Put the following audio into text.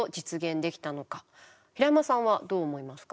平山さんはどう思いますか？